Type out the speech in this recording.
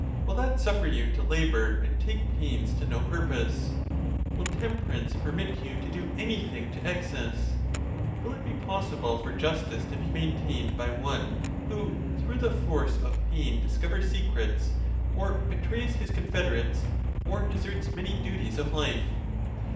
Will that suffer you to labor and take pains to no purpose? Will temperance permit you to do anything to excess? Will it be possible for justice to be maintained by one who through the force of pain discovers secrets, or betrays his confederates, or deserts many duties of life?